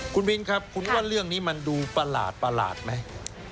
คุณวินครับคุณว่าเรื่องนี้มันดูประหลาดไหม